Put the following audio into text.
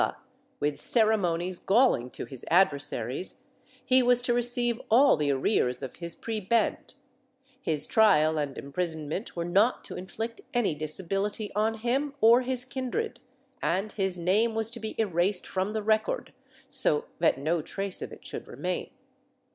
a, with ceremonies galling to his adversaries; he was to receive all the arrears of his prebend; his trial and imprisonment were not to inflict any disability on him or his kindred, and his name was to be erased from the record so that no trace of it should remain.